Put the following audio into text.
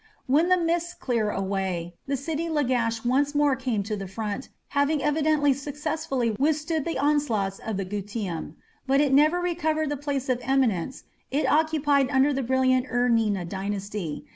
When the mists cleared away, the city Lagash once more came to the front, having evidently successfully withstood the onslaughts of the Gutium, but it never recovered the place of eminence it occupied under the brilliant Ur Nina dynasty.